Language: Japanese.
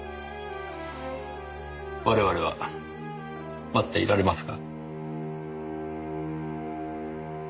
我々は待っていられますが？